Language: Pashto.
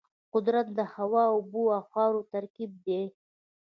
قدرت د هوا، اوبو او خاورو ترکیب دی.